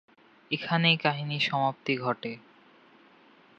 এখানেই কাহিনীর সমাপ্তি ঘটে।